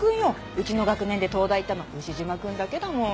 うちの学年で東大行ったの牛島くんだけだもん。